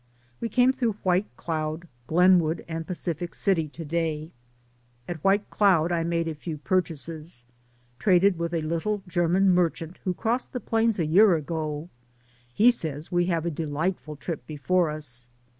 We came through Whitecloud, Glenwood and Pacific City to day. At Whitecloud I made a few purchases, traded with a little German merchant who crossed the plains a year ago; he says we have a delightful trip before us.